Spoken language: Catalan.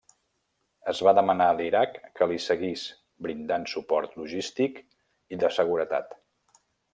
Es va demanar a l'Iraq que li seguís brindant suport logístic i de seguretat.